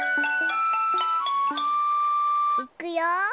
いくよ。